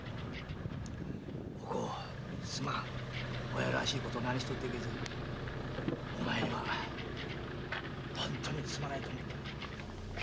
親らしい事は何もできずおこうお前には本当にすまないと思っている。